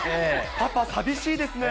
パパ、寂しいですね。